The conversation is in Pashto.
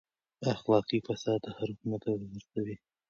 اخلاقي فساد هر حکومت راپرځوي.